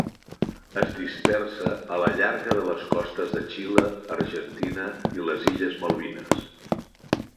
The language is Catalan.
Es dispersa a la llarga de les costes de Xile, Argentina i les illes Malvines.